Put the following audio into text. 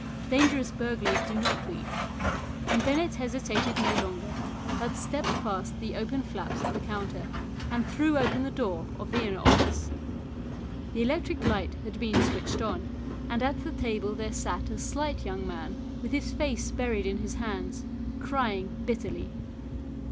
Dangerous burglars do not weep, and Bennett hesitated no longer, but stepped past the open THE SOUL OF A POLICEMAN 189 flaps of the counter, and threw open the door of the inner office. The electric light had been switched on, and at the table there sat a slight young man with his face buried in his hands, crying bitterly.